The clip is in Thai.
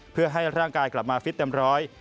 เพื่อให้ร่างกายกลับมาฟิตเต็มร้อย